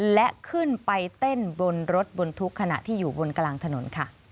และขึ้นไปเต้นบนรถบนทุกขณะที่อยู่บนกลางถนนค่ะ